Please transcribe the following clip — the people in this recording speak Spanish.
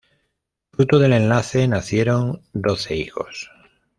Fruto del enlace nacieron doce hijos.